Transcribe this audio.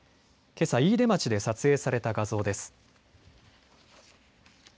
けさ飯豊町で撮影された画像です。